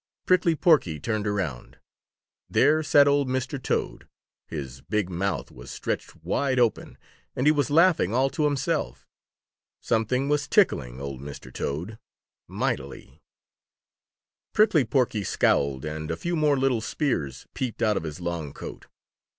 Prickly Porky turned around. There sat old Mr. Toad. His big mouth was stretched wide open, and he was laughing all to himself. Something was tickling old Mr. Toad mightily. Prickly Porky scowled, and a few more little spears peeped out of his long coat.